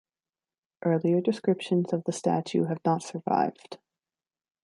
Earlier descriptions of the statue have not survived.